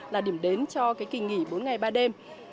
là điểm đến cho cái kỳ nghỉ bốn ngày ba đêm